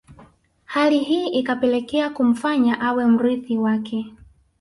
Hali hii ikapelekea kumfanya awe mrithi wake